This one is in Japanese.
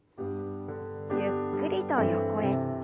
ゆっくりと横へ。